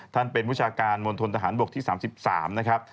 ท่านเป็นวิชาการมณฑนทหารบกที่๓๓นะครับ